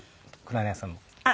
黒柳さんの。